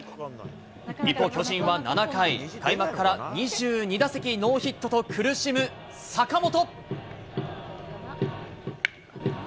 一方、巨人は７回、開幕から２２打席ノーヒットと苦しむ坂本。